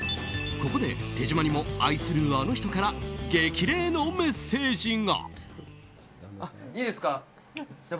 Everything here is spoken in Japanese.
ここで手島にも愛するあの人から激励のメッセージが。